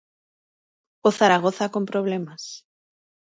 O Zaragoza con problemas.